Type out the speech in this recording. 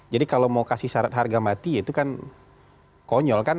jadi kalau mau kasih syarat harga mati itu kan konyol kan